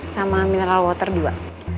sama mineral water juga